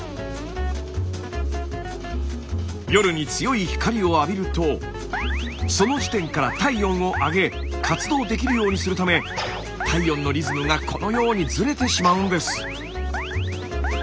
夜に強い光を浴びるとその時点から体温を上げ活動できるようにするため体温のリズムがこのようにずれてしまうんです。